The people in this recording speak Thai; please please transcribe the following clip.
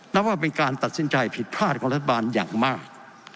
นับว่าเป็นการตัดสินใจผิดพลาดของรัฐบาลอย่างมาก